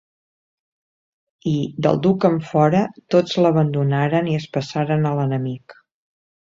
I, del duc enfora, tots l'abandonaren i es passaren a l'enemic.